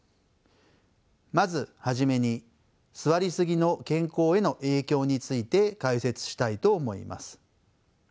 まず初めに座りすぎの健康への影響について解説したいと思います。